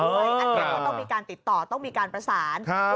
ก็ต้องมีการติดต่อต้องมีการประสานครับ